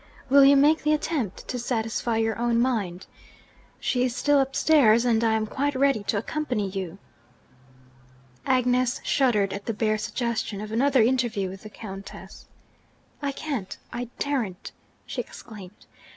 Will you make the attempt, to satisfy your own mind? She is still upstairs; and I am quite ready to accompany you.' Agnes shuddered at the bare suggestion of another interview with the Countess. 'I can't! I daren't!' she exclaimed.